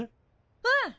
うん！